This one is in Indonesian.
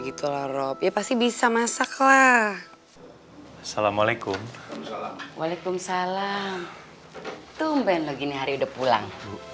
gitu loh rob ya pasti bisa masaklah assalamualaikum waalaikumsalam tuh main begini hari udah pulang